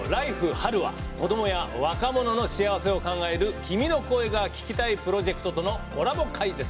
春」は子どもや若者の幸せを考える「君の声が聴きたい」プロジェクトとのコラボ回です。